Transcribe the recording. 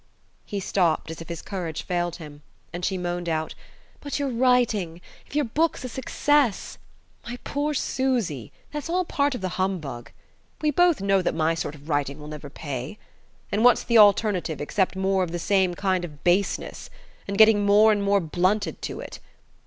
He stopped, as if his courage failed him; and she moaned out: "But your writing if your book's a success...." "My poor Susy that's all part of the humbug. We both know that my sort of writing will never pay. And what's the alternative except more of the same kind of baseness? And getting more and more blunted to it?